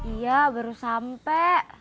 iya baru sampe